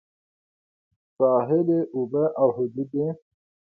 ساحلي اوبه او حدود یې